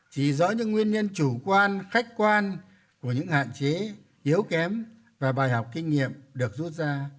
chỉ rõ những nguyên nhân chủ quan khách quan của những hạn chế yếu kém và bài học kinh nghiệm được rút ra